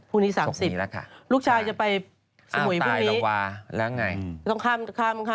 พรุ่งนี้๓๐มกราคมลูกชายจะไปสมุยพรุ่งนี้แล้วไงอ้าวตายแล้ววา